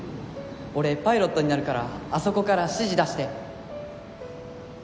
俺パイロットになるからあそこから指示出して。